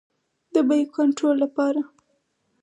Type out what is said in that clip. د بیو د کنټرول لپاره.